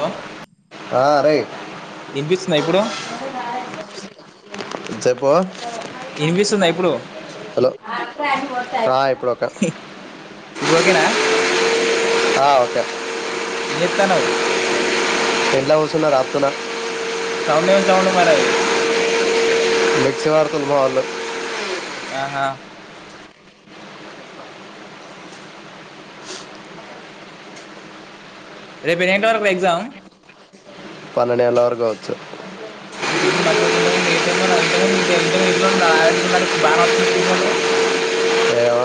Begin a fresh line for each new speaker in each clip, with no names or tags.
Hello
ఆ, రేయ్
వినిపిస్తుందా ఇప్పుడు
చెప్పు
వినిపిస్తుందా ఇప్పుడు
హలో ఆ ఇప్పుడుకే
ఇప్పుడు ఓకేనా
ఆ ఓకే.
ఏం చేత్తన్నావ్.
ఇంట్ల కూసున్న రాపుతున్నా
సౌండు ఏం సౌండ్ మరి
మిక్స్ పడుతుండ్లు మా వొళ్ళు.
ఆహా రేపు ఎన్ని గంటల వరకుర ఎగ్జామ్.
పన్నెండు ఏళ్ల వరకు కావచ్చు.
ఇప్పుడు సిగ్నల్ మంచిగానే ఉన్నది. ఇంతకుముందు ఇంతకుముందు ఇంతకు ఇంట్ల ఉంటే రాదు కదా సిగ్నల్ ఇప్పుడు బాగానే వస్తుంది సిగ్నల్.
ఏమో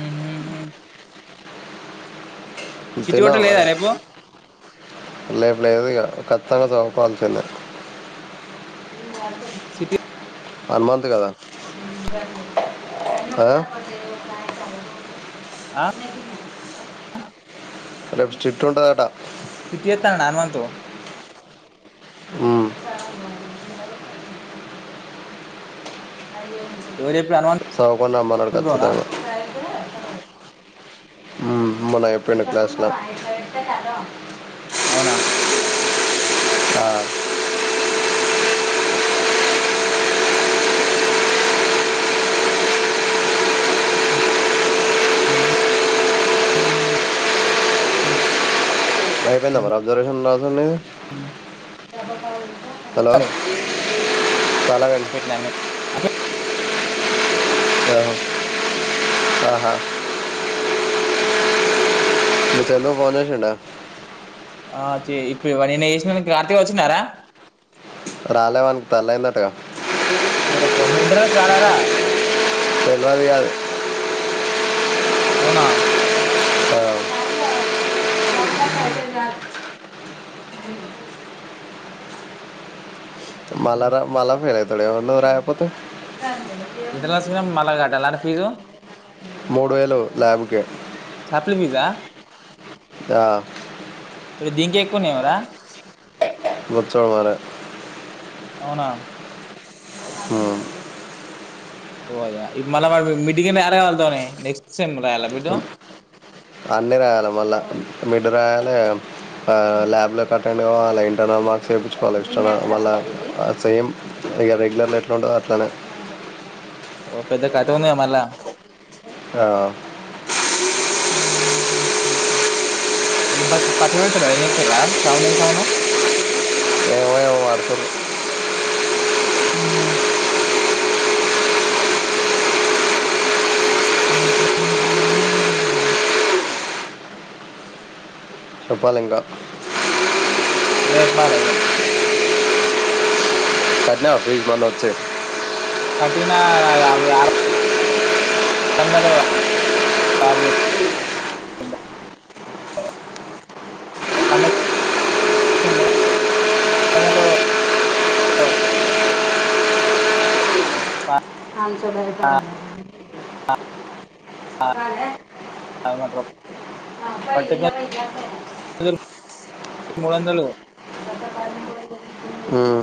ఉమ్ హు హ్ చిట్టి హోటల్ లేదా రేపు.
లేప్పు లేదు కచిత్తంగా తోముకోవాల్సిందే.
సిటీ
హనుమంత్ కదా ఆ కదా
అ
రేపు చిట్ ఉంటాదట.
చిట్టి ఏతాంత్తాన్నాడు హనుమంతు.
ఉమ్,
ఎవరి చెప్
చావకుండా మనటచ్ దానా [unintelligible] హ్మ్ మనం ఎప్పుడైనా క్లాసులో
అవునా
ఆ అయిపోయిందా మరి అబ్జర్వేషన్ నాగ్ హలో!
మ్
బ కా [unintelligible] హలో! చాలా కానీ
సీట్లన్నీ
ఆ ఆహా! మీ ఫ్రెండ్ ఫోన్ చేసిండా.
ఆ చె ఇప్పుడు నిన్న చేసిను కార్తీక్ వచ్చిన్న రా?
రాలేవానికు తల్లి అయిందటగా.
పోరా, పో! మెడ్రాస్ రా, రా?
తెల్వదు గాదు.
అవునా?
ఆ [unintelligible]
హ్మ్
మళ్ళా రా
ఉమ్.
మళ్ళా [inaudible] వాడేవన్న రాయకపోతే.
ఇటలాశిరం మలాగాట్. లా ర ఫీజు.
మూడు వేలు ల్యాబ్ కే
సప్లి ఫీజా?
ఆ
ఇప్పుడు దీంకే ఎక్కువ ఉన్నాయర?
బత్చ్చడు మార [unintelligible]
అవునా?
హ్మ్
ఓ అయ్యా ఇప్పుడు మళ్ళా వాడు మిడ్ యాడ కలుద్దాం అని నెక్స్ట్ సెమ్ రాయాల మిడ్.
అన్నీ రాయాలి మళ్ళీ మిడ్ రాయాలి ల్యాబ్లోకి అట్టెండ్ కావాల ఇంటర్నల్ మార్క్స్ ఎపించుకోవాలి. ఎక్స్టర్నల్ మళ్ళా సేమ్ ఇక రెగ్యులర్ ఎట్లాండలో అట్లానే.
ఓ పెద్ద కత ఉందిగ మళ్ళా?
ఆ
ఏ బస్ పత్ర వెడుతుార ఏ చెతుార సావన సావును [unintelligible]
ఏమో ఏమో వాడుతుంది.
ఆ హా! [inaudible]
చెప్పాలింగా.
నువ్వే ఎప్పలైగా
కట్నవ ఫీజ్ మొన్నచీ
కఠిన అ [inaudible] వందలు [inaudible] వందలు ఆ
[unintelligible]
[inaudible] మూడువందలు
ఉమ్.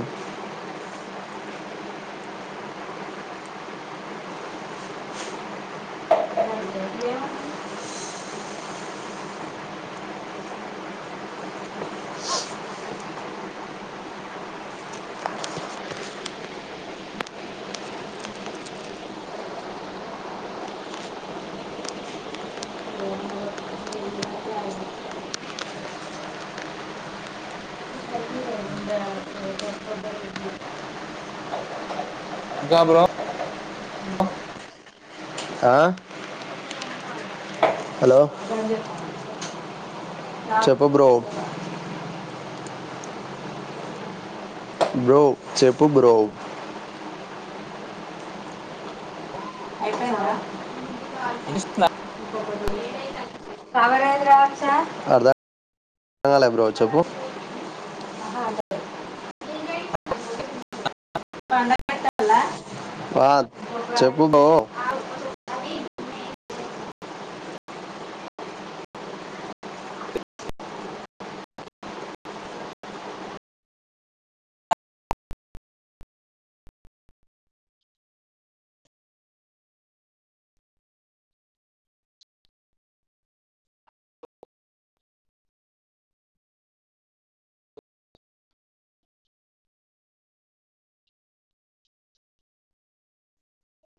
ఉమ్ [inaudible] ఇంకా బ్రో
ఆ హలో చెప్పు బ్రో బ్రో చెప్పు బ్రో
ఇన్ స్నా
అర్థం కాలే బ్రో చెప్పు వా చెప్పు బో